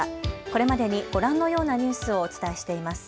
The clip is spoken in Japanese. これまでにご覧のようなニュースをお伝えしています。